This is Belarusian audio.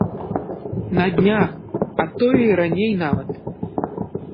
На днях, а тое і раней нават!